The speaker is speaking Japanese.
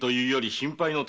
「心配の種」？